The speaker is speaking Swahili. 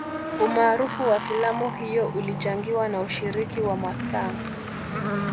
Umaarufu wa filamu hiyo ulichangiwa na ushiriki wa mastaa